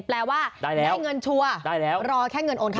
แปลว่าได้เงินชัวร์รอแค่เงินโอนครับ